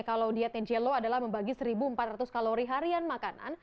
kalau dietnya jello adalah membagi seribu empat ratus kalori harian makanan